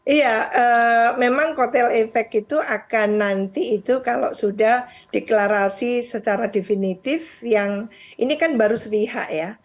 iya memang kotel efek itu akan nanti itu kalau sudah deklarasi secara definitif yang ini kan baru sepihak ya